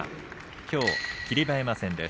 きょう霧馬山戦です。